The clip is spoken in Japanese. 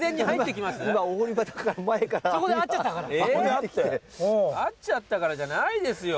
会っちゃったからじゃないですよ。